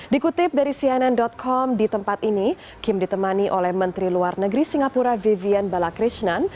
dikutip dari cnn com di tempat ini kim ditemani oleh menteri luar negeri singapura vivian balakrishnan